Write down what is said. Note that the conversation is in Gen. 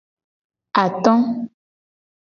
Ato.